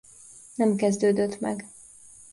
Nem kezdődött meg.